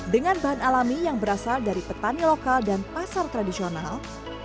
dengan bahan alami yang berasal dari petani lokal dan pasar tradisional